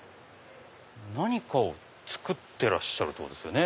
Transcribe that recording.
何かを作ってらっしゃるってことですよね。